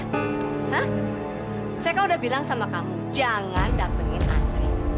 hah saya kan udah bilang sama kamu jangan datengin andre